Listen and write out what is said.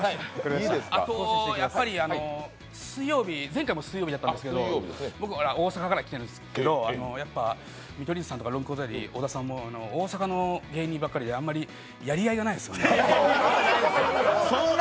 あと、前回も水曜日だったんですけど、僕、大阪から来てるんですけど見取り図さんとかロングコートダディ、小田さんも大阪の芸人ばっかりであんまりやりがいがないですよね。